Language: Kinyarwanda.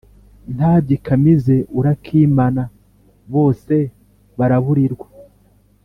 Nta byikamize urakimana bose baraburirwa